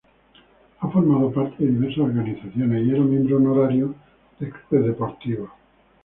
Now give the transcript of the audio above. Ha formado parte de diversas organizaciones y era miembro honorario de clubes deportivos.